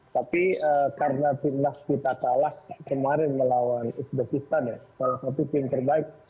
tapi karena timnas kita kalah kemarin melawan uzbekistan salah satu tim terbaik